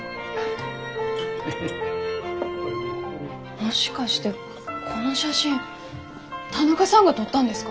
もしかしてこの写真田中さんが撮ったんですか？